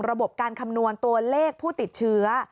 ระบบการคำนวณตัวเลขผู้ติดเชื้อ